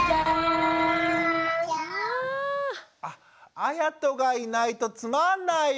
「絢仁がいないとつまんないよ」。